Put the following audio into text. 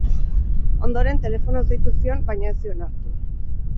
Ondoren, telefonoz deitu zion, baina ez zion hartu.